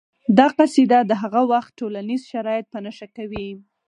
دا قصیده د هغه وخت ټولنیز شرایط په نښه کوي